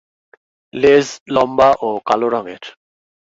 লেজ লম্বা ও কালো রঙের।